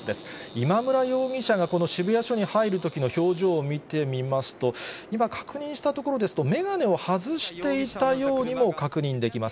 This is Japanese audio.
今村容疑者がこの渋谷署に入るときの表情を見てみますと、今、確認したところですと、眼鏡を外していたようにも確認できます。